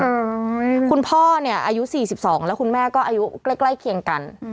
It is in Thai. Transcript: คุณพ่อเนี่ยอายุ๔๒แล้วคุณแม่ก็อายุใกล้เคียงกัน